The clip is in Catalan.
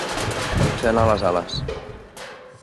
Fer anar les ales.